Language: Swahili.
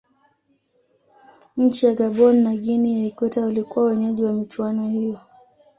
nchi ya gabon na guinea ya ikweta walikuwa wenyeji wa michuano hiyo